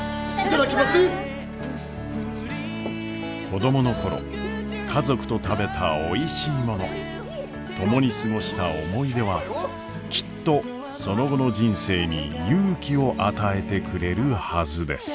子供の頃家族と食べたおいしいもの共に過ごした思い出はきっとその後の人生に勇気を与えてくれるはずです。